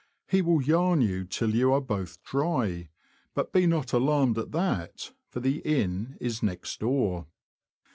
He will yarn you till you are both dry ; but be not alarmed at that, for the inn is next door.